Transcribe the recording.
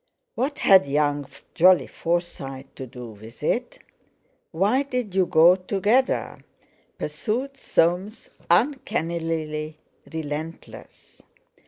"What had young Jolly Forsyte to do with it? Why did you go together?" pursued Soames, uncannily relentless.